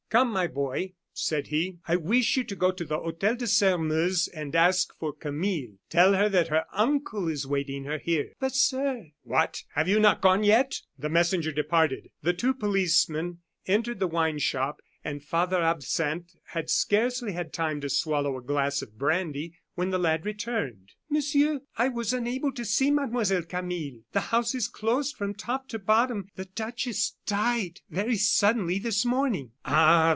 "Come, my boy," said he; "I wish you to go to the Hotel de Sairmeuse and ask for Camille. Tell her that her uncle is waiting her here." "But, sir " "What, you have not gone yet?" The messenger departed; the two policemen entered the wine shop, and Father Absinthe had scarcely had time to swallow a glass of brandy when the lad returned. "Monsieur, I was unable to see Mademoiselle Camille. The house is closed from top to bottom. The duchess died very suddenly this morning." "Ah!